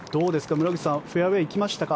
村口さんフェアウェー行きましたか？